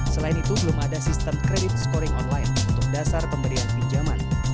selain itu belum ada sistem kredit scoring online untuk dasar pemberian pinjaman